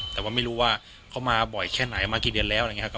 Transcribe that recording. แต่ว่าไม่รู้ว่าเขามาบ่อยแค่ไหนมากี่เดือนแล้วอะไรอย่างนี้ครับ